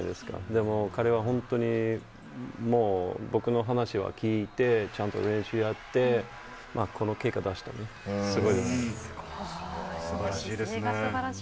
でも、彼は本当に、もう僕の話は聞いて、ちゃんと練習やって、この結果出した、すばらしいですね。